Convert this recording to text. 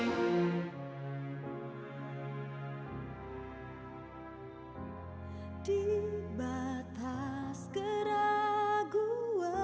mama gemetar banget morte ya